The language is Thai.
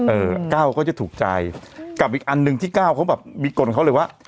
เออก้าวก็จะถูกใจกับอีกอันหนึ่งที่ก้าวเขาแบบมีกลเขาเลยว่า